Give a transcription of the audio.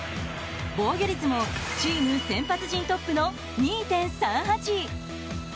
防御率もチーム先発陣トップの２．３８。